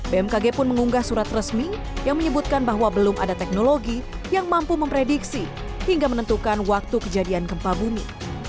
bmkg pun mengunggah surat resmi yang menyebutkan bahwa belum ada teknologi yang mampu memprediksi hingga menentukan waktu kejadian gempa bumi